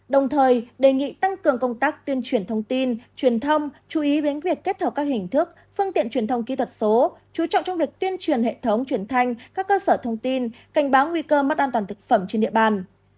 đồng thời đề nghị tăng cường công tác tuyên truyền thông tin truyền thông chú ý đến việc kết hợp các hình thức phương tiện truyền thông kỹ thuật số chú trọng trong việc tuyên truyền hệ thống truyền thanh các cơ sở thông tin cảnh báo nguy cơ mất an toàn thực phẩm trên địa bàn